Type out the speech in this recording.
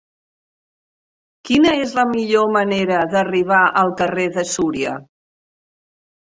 Quina és la millor manera d'arribar al carrer de Súria?